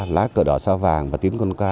lá cờ đỏ sao vàng và tiếng quân ca